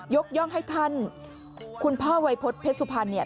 ย่องให้ท่านคุณพ่อวัยพฤษเพชรสุพรรณเนี่ย